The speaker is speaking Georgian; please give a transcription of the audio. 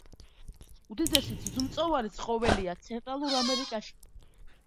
უდიდესი ძუძუმწოვარი ცხოველია ცენტრალურ ამერიკაში.